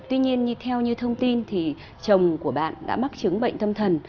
tuy nhiên theo như thông tin thì chồng của bạn đã mắc chứng bệnh tâm thần